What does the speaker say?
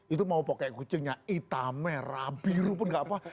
itu mau pakai kucing yang hitam merah biru pun gak apa apa